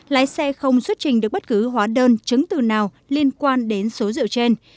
lái xe không xuất trình được bất cứ hóa đơn chứng từ nào liên quan đến số rượu trên